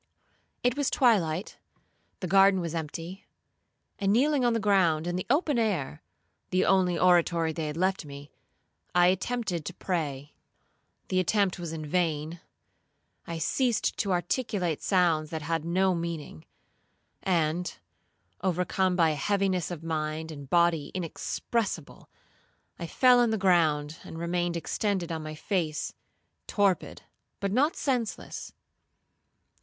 'It was twilight; the garden was empty; and kneeling on the ground, in the open air, (the only oratory they had left me), I attempted to pray. The attempt was in vain;—I ceased to articulate sounds that had no meaning;—and, overcome by a heaviness of mind and body inexpressible, I fell on the ground, and remained extended on my face, torpid, but not senseless.